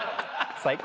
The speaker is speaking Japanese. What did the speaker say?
最高！